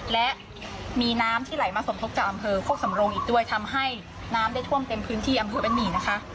และมีน้ำที่ไหลมาสมทบจากอำเภอโคกสำรงอีกด้วยทำให้น้ำได้ท่วมเต็มพื้นที่อำเภอบ้านหมี่นะคะ